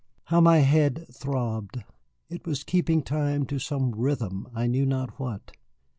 How my head throbbed! It was keeping time to some rhythm, I knew not what.